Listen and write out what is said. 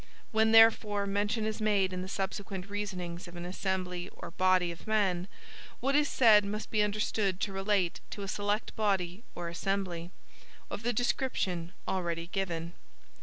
When, therefore, mention is made in the subsequent reasonings of an assembly or body of men, what is said must be understood to relate to a select body or assembly, of the description already given.